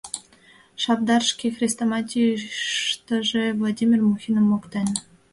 Шабдар шке хрестоматийыштыже Владимир Мухиным моктен.